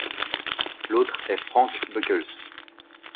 L'autre est Frank Buckles.